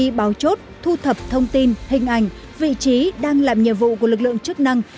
khi báo chốt thu thập thông tin hình ảnh vị trí đang làm nhiệm vụ của lực lượng chức năng